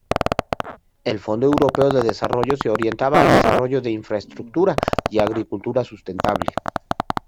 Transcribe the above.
El Fondo Europeo de Desarrollo se orientaba al desarrollo de infraestructura y agricultura sustentable.